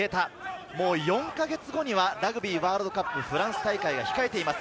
４か月後にはラグビーワールドカップフランス大会が控えています。